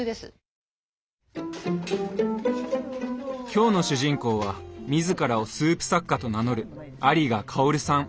今日の主人公は自らをスープ作家と名乗る有賀薫さん。